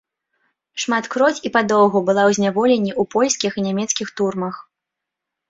Шматкроць і падоўгу была ў зняволенні ў польскіх і нямецкіх турмах.